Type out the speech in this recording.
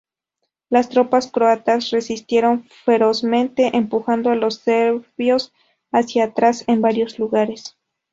Las tropas croatas resistieron ferozmente empujando a los serbios hacia atrás en varios lugares.